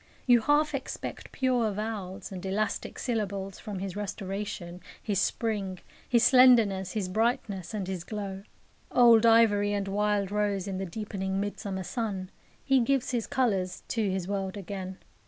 You half expect pure vowels and elastic syllables from his restoration, his spring, his slenderness, his brightness, and his glow. Old ivory and wild rose in the deepening midsummer sun, he gives his colours to his world again.